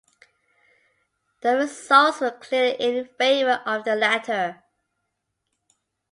The results were clearly in favor of the latter.